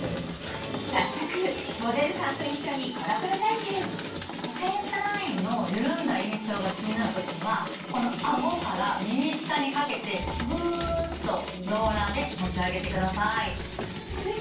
早速フェイスラインの緩んだ印象が気になる時にはこのあごから耳下にかけてぐっとローラーで持ち上げてください。